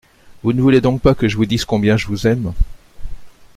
Vous ne voulez donc pas que je vous dise combien je vous aime ?